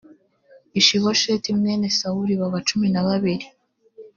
ishibosheti mwene sawuli baba cumi na babiri